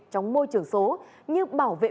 trong môi trường số như bảo vệ